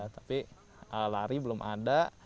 tapi lari belum ada